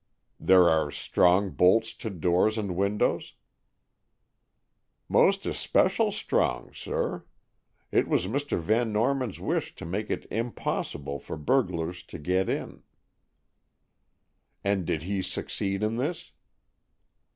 "There are strong bolts to doors and windows?" "Most especial strong, sir. It was Mr. Van Norman's wish to make it impossible for burglars to get in." "And did he succeed in this?"